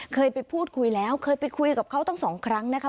เคยไปพูดคุยแล้วเคยไปคุยกับเขาทั้งสองครั้งนะคะ